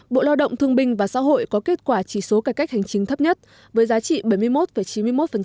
bộ lao động thương binh và xã hội có kết quả chỉ số cải cách hành chính thấp nhất với giá trị bảy mươi một chín mươi một